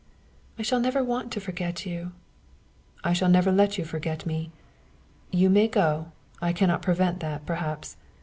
"I shall never want to forget you." "I shall not let you forget me. You may go I cannot prevent that perhaps.